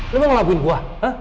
lu mau ngelakuin gua